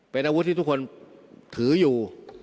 เป็นอาวุธที่ทุกคนถืออยู่